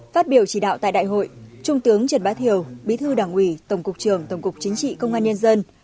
phát biểu chỉ đạo tại đại hội trung tướng trần bá thiều bí thư đảng ủy tổng cục trường tổng cục chính trị công an nhân dân